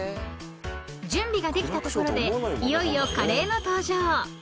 ［準備ができたところでいよいよカレーの登場］